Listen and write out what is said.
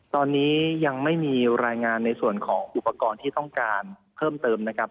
ตอนนี้ยังไม่มีรายงานในส่วนของอุปกรณ์ที่ต้องการเพิ่มเติมนะครับ